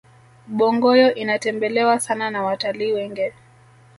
bongoyo inatembelewa sana na watalii wengi